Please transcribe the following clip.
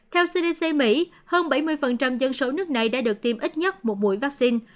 theo cdc mỹ hơn bảy mươi dân số nước này đã được tiêm ít nhất một mũi vaccine